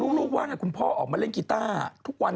แล้วลูกว่าเนี่ยคุณพ่อออกมาเล่นกีต้าร์